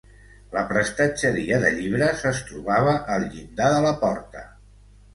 La prestatgeria de llibres es trobava al llindar de la porta.